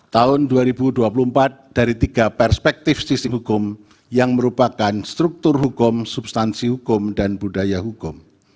tahun dua ribu dua puluh empat dari tiga perspektif sistem hukum yang merupakan struktur hukum substansi hukum dan budaya hukum